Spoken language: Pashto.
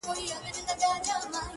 پرون مي دومره درته وژړله؛